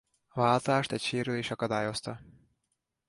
A váltást egy sérülés akadályozta.